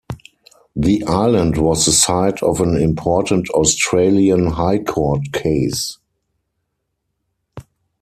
The island was the site of an important Australian High Court case.